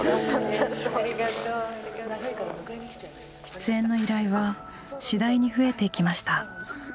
出演の依頼は次第に増えていきました。